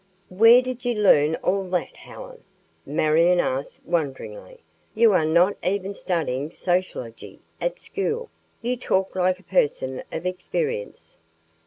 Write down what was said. "Where did you learn all that, Helen?" Marion asked wonderingly. "You are not even studying sociology at school. You talk like a person of experience."